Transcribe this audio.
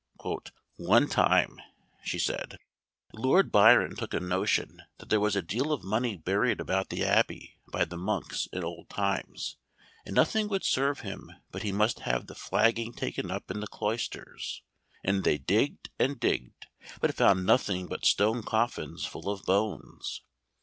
"One time," said she, "Lord Byron took a notion that there was a deal of money buried about the Abbey by the monks in old times, and nothing would serve him but he must have the flagging taken up in the cloisters; and they digged and digged, but found nothing but stone coffins full of bones.